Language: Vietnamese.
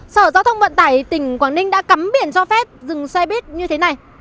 sở giao thông vận tải tỉnh quảng ninh đã cấm biển cho phép rừng xe bít như thế này